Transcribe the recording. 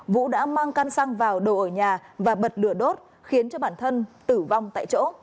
vũ đã mang căn xăng vào đồ ở nhà và bật lửa đốt khiến cho bản thân tử vong tại chỗ